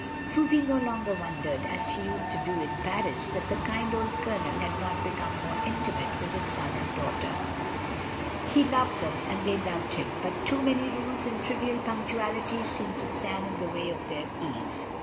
Susy no longer wondered, as she used to do in Paris, that the kind old Colonel had not be come more intimate with his son and daughter; he loved them and they loved him, but too many rules and trivial punctualities seemed to stand in the way of their ease.